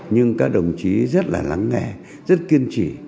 nhưng các đồng chí rất là lắng nghe rất kiên trì